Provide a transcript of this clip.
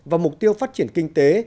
và mục tiêu phát triển kinh tế